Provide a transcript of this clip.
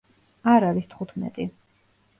არ არის თხუთმეტი.